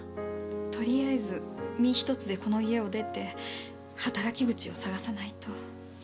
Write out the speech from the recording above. とりあえず身一つでこの家を出て働き口を探さないと。